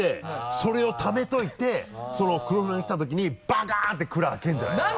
それをためておいてその黒船が来たときにバカン！って蔵開けるんじゃないですか？